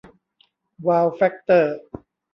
วาว แฟคเตอร์